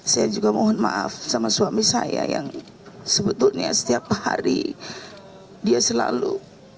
saya juga mohon maaf sama suami saya yang sebetulnya setiap hari dia selalu